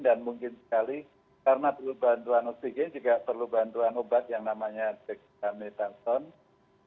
dan mungkin sekali karena perlu bantuan oksigen juga perlu bantuan obat yang namanya dexamethasone